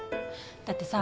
だってさ